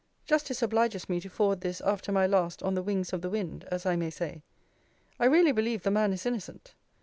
Justice obliges me to forward this after my last on the wings of the wind, as I may say. I really believe the man is innocent.